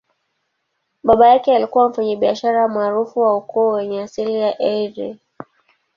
Baba yake alikuwa mfanyabiashara maarufu wa ukoo wenye asili ya Eire.